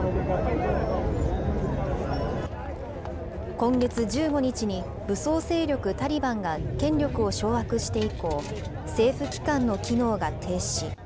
今月１５日に、武装勢力タリバンが権力を掌握して以降、政府機関の機能が停止。